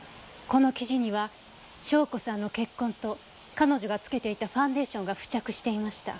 この生地には笙子さんの血痕と彼女が付けていたファンデーションが付着していました。